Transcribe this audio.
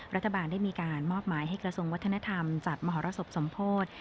รัฐบาลได้มีการมอบหมายให้กระทรวงวัฒนธรรมจัดมหรสบสมโพธิ